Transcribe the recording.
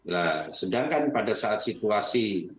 nah sedangkan pada saat situasi